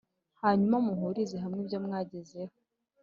hanyuma muhurize hamwe ibyo mwagezeho.